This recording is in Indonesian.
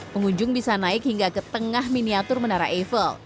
pengunjung bisa naik hingga ke tengah miniatur menara eiffel